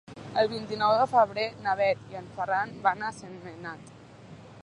El vint-i-nou de febrer na Bet i en Ferran van a Sentmenat.